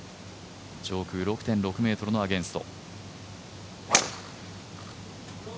上空６．６ｍのアゲンスト。